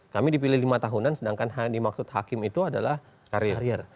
kami dipilih lima tahunan sedangkan dimaksud hakim itu adalah karier